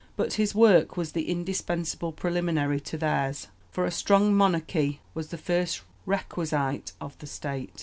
but his work was the indispensable preliminary to theirs, for a strong monarchy was the first requisite of the state.